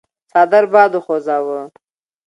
څادر باد وخوځاوه.